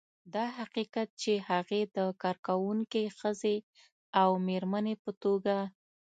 دا حقیقت چې هغې د کارکونکې ښځې او مېرمنې په توګه